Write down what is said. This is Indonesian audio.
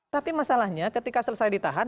tapi masalahnya ketika selesai ditahan